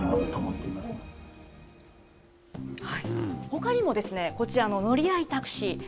ほかにもですね、こちら、乗り合いタクシー。